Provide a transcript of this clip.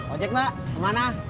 ojek mbak kemana